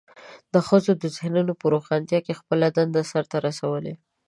د ښځو د ذهنونو په روښانتیا کې خپله دنده سرته رسولې.